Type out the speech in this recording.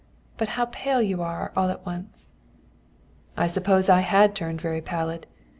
But how pale you are all at once!" I suppose I had turned very pallid.